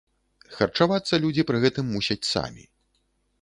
Харчавацца людзі пры гэтым мусяць самі.